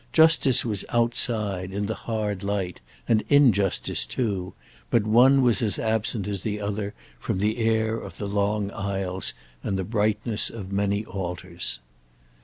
Justice was outside, in the hard light, and injustice too; but one was as absent as the other from the air of the long aisles and the brightness of the many altars.